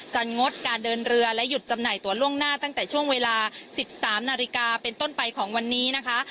งดการเดินเรือและหยุดจำหน่ายตัวล่วงหน้าตั้งแต่ช่วงเวลา๑๓นาฬิกาเป็นต้นไปของวันนี้นะคะ